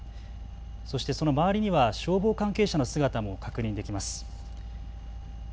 そしてその周りには消防関係者の姿も確認できます。